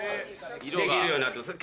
できるようになってます